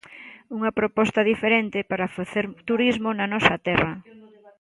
Unha proposta diferente para facer turismo na nosa terra.